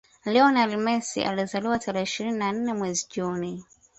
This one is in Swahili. Lionel AndrÃs Messi alizaliwa tarehe ishirini na nne mwezi Juni